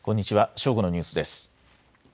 正午のニュースです。